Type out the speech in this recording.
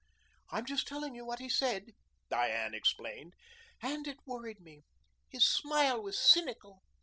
"I'm just telling you what he said," Diane explained. "And it worried me. His smile was cynical.